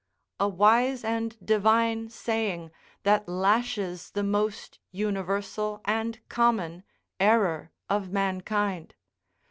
a wise and divine saying, that lashes the most universal and common error of mankind.